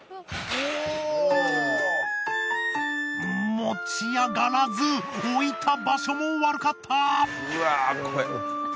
持ち上がらず置いた場所も悪かった。